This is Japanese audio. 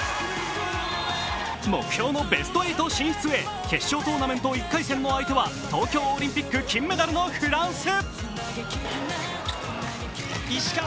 目標のベスト８進出へ決勝トーナメント１回戦の相手は東京オリンピック金メダルのフランス。